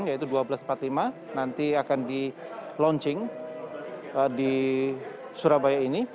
yaitu dua belas empat puluh lima nanti akan di launching di surabaya ini